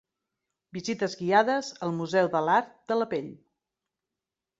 Visites guiades al Museu de l'Art de la Pell.